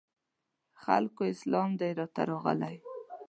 خلکو اسلام دی درته راغلی